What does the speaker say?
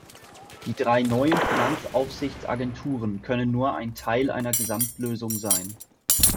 Die drei neuen Finanzaufsichtsagenturen können nur ein Teil einer Gesamtlösung sein.